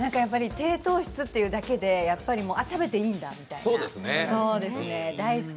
低糖質っていうだけで、食べていいんだみたいな、大好き。